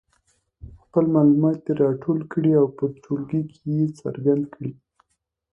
خپل معلومات دې راټول کړي او په ټولګي کې یې څرګند کړي.